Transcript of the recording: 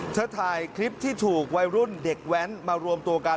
ถ่ายคลิปที่ถูกวัยรุ่นเด็กแว้นมารวมตัวกัน